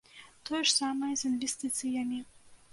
Тое ж самае з інвестыцыямі.